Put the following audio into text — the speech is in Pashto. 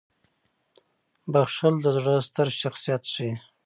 • بخښل د زړه ستر شخصیت ښيي.